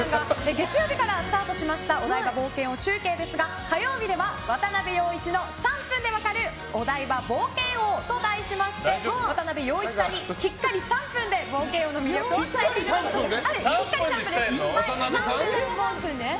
月曜日からスタートしましたお台場冒険王中継ですが火曜日では渡部陽一の３分で分かるお台場冒険王と題しまして渡部陽一さんにきっかり３分で冒険王の魅力を伝えていただきます。